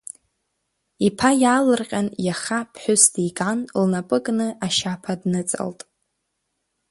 Иԥа иаалырҟьан иаха ԥҳәыс диган, лнапы кны ашьаԥа дныҵалт…